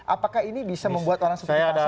apakah ini bisa membuat orang seperti pak asam ini